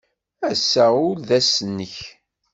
Ass-a ur d ass-nnek.